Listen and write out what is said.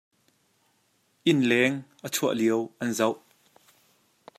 Inn leng a chuak lio an zoh .